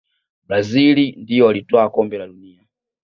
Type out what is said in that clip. brazil ndio walitwaa kombe la dunia